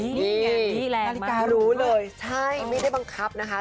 นี่ไงนาฬิการู้เลยใช่ไม่ได้บังคับนะคะ